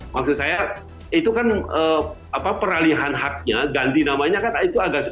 maksud saya itu kan peralihan haknya ganti namanya kan itu agak sulit